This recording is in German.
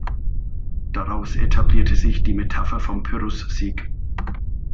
Daraus etablierte sich die Metapher vom Pyrrhussieg.